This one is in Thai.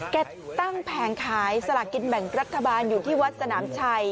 แกตั้งแผงขายสลากินแบ่งรัฐบาลอยู่ที่วัดสนามชัย